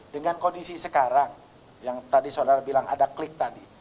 dengan kondisi sekarang yang tadi saudara bilang ada klik tadi